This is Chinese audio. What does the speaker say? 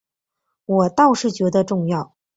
我倒是觉得重要